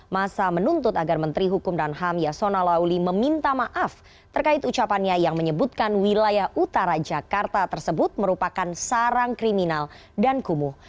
masa menuntut agar menteri hukum dan ham yasona lauli meminta maaf terkait ucapannya yang menyebutkan wilayah utara jakarta tersebut merupakan sarang kriminal dan kumuh